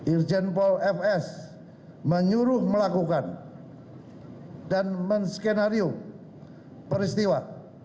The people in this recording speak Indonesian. irjen pol fs menyuruh melakukan dan men skenario peristiwa